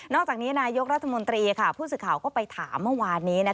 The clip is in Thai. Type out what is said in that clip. อกจากนี้นายกรัฐมนตรีผู้สื่อข่าวก็ไปถามเมื่อวานนี้